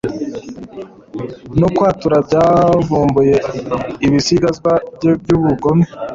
no kwatura byavumbuye ibisigazwa bye by'ubugome